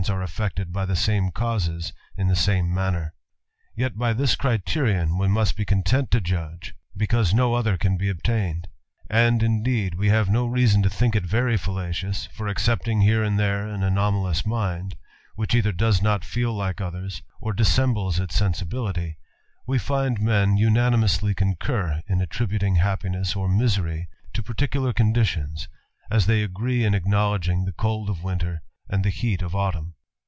^^ affected by the same causes in the same manner. Yet ^ this criterion we must be content to judge, because no 268 THE ADVENTURER. • other can be obtained ; and, indeed, we have no reason t think it very fallacious, for excepting here and there ai anomalous mind, which either does not feel like others, o dissembles its sensibility, we find men unanimously concu in attributing happiness or misery to particular conditions as they agree in acknowledging the cold of winter and th heat of autumn.